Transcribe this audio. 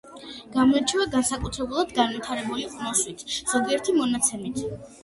გამოირჩევა განსაკუთრებულად განვითარებული ყნოსვით – ზოგიერთი მონაცემით